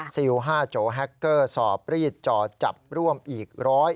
สิวห้าโจแฮกเกอร์สอบรีดจอจับร่วมอีกร้อย